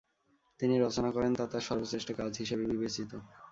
তিনি রচনা করেন তা তার সর্বশ্রেষ্ঠ কাজ হিসেবে বিবেচিত।